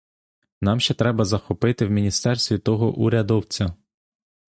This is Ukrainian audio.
Нам ще треба захопити в міністерстві того урядовця.